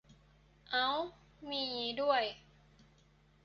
เอ้า มีงี้ด้วย